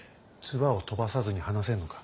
唾を飛ばさずに話せんのか。